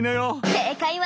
正解は。